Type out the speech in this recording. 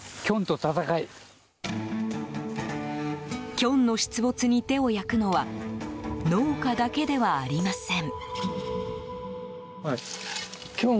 キョンの出没に手を焼くのは農家だけではありません。